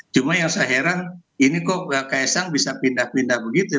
cuma yang saya heran ini kok ksang bisa pindah pindah begitu